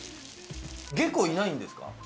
下戸いないんですか？